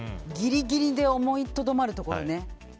ギリギリで思いとどまるところね。